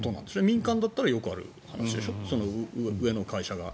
民間だったらよくある話でしょ？上の会社が。